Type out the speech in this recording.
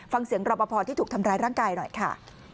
ฟังเสียงรอบพอที่ถูกทำร้ายร่างกายหน่อยค่ะ